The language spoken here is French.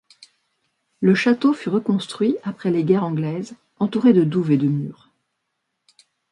Le château fut reconstruit après les guerres anglaises, entouré de douves et de murs.